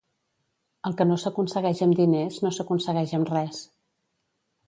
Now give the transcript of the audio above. El que no s'aconsegueix amb diners no s'aconsegueix amb res.